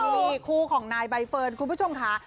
นี่คู่ของนายใบเฟิร์นคุณผู้ชมค่ะ